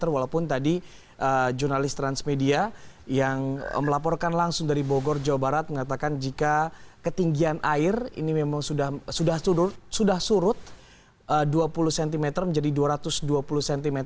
walaupun tadi jurnalis transmedia yang melaporkan langsung dari bogor jawa barat mengatakan jika ketinggian air ini memang sudah surut dua puluh cm menjadi dua ratus dua puluh cm